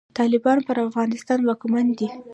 طالبان پر افغانستان واکمن دی.